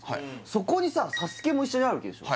そこにさＳＡＳＵＫＥも一緒にあるわけでしょ？